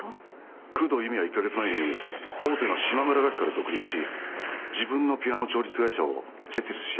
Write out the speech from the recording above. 工藤由美は１カ月前に大手の島村楽器から独立し自分のピアノ調律会社を設立しています。